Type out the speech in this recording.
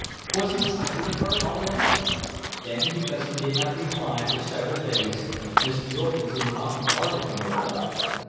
Was he tired of her already? Then, because he did not reply for several days, Miss Wilkinson bombarded him with letters.